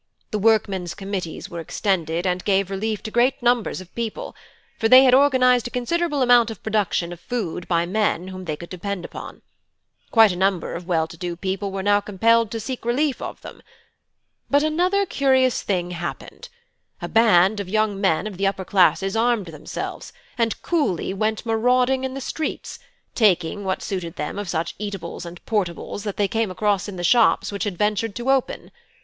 The workmen's committees were extended, and gave relief to great numbers of people, for they had organised a considerable amount of production of food by men whom they could depend upon. Quite a number of well to do people were now compelled to seek relief of them. But another curious thing happened: a band of young men of the upper classes armed themselves, and coolly went marauding in the streets, taking what suited them of such eatables and portables that they came across in the shops which had ventured to open.